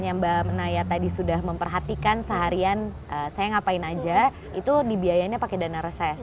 jadi dana reses itu kalau misalnya mbak naya tadi sudah memperhatikan seharian saya ngapain aja itu dibiayainya pakai dana reses